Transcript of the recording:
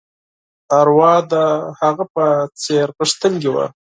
ارواح د هغه په څېر غښتلې وه.